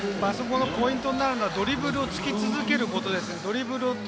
あそこのポイントになるのは、ドリブルをつき続けることです。